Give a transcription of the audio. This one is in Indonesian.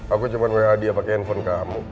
aku cuma mau hadiah pakai handphone kamu